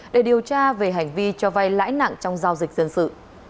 để điều tra về hành vi cho vay lãi nặng trong giao dịch dân sự